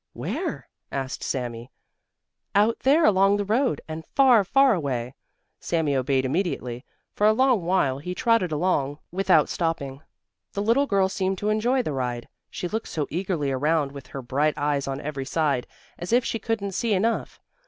"Where?" asked Sami. "Out there along the road, and far, far away!" Sami obeyed immediately. For a long while he trotted along without stopping. The little girl seemed to enjoy the ride. She looked so eagerly around with her bright eyes on every side, as if she couldn't see enough.